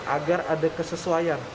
agar ada kesesuaian